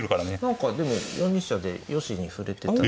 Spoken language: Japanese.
何かでも４二飛車でよしに振れてたです。